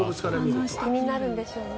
気になるんでしょうね。